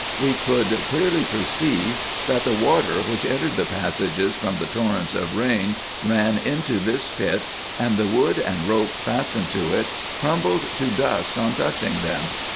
We could clearly perceive, that the water which entered the passages from the torrents of rain ran into this pit, and the wood and rope fastened to it IN EGYPT, NUBIA, &c. 233 crumbled to dust on touching them.